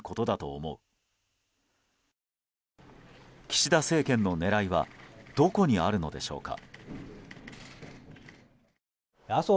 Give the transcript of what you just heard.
岸田政権の狙いはどこにあるのでしょうか。